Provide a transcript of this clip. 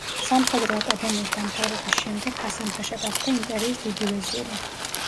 სამხედრო აკადემიის დამთავრების შემდეგ ჰასან-ფაშა გახდა იმპერიის დიდი ვეზირი.